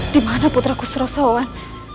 dimana putraku surasawan